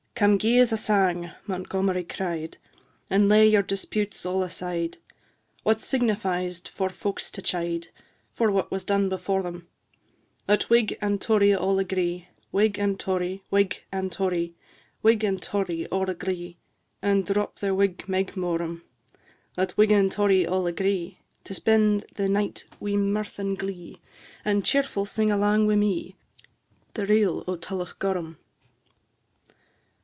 I. Come gie 's a sang, Montgomery cried, And lay your disputes all aside, What signifies 't for folks to chide For what was done before them: Let Whig and Tory all agree, Whig and Tory, Whig and Tory, Whig and Tory all agree, To drop their Whig mig morum; Let Whig and Tory all agree To spend the night wi' mirth and glee, And cheerful sing alang wi' me The Reel o' Tullochgorum.